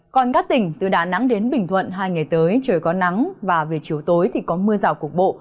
còn các tỉnh từ đà nẵng đến bình thuận hai ngày tới trời có nắng và về chiều tối thì có mưa rào cục bộ